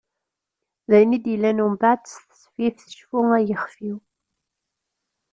D ayen i d-yellan umbaɛd s tesfift "Cfu ay ixef-iw".